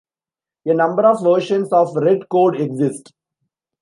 A number of versions of Redcode exist.